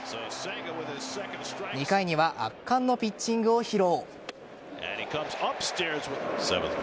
２回には圧巻のピッチングを披露。